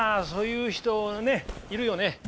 そういう人ねいるよね。